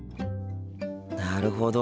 なるほど。